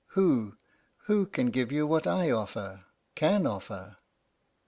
Who, who can give you what I offer, can offer?